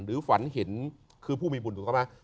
ฝันเห็นคือผู้มีบุญถูกต้องไหม